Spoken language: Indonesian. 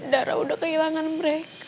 dara udah kehilangan mereka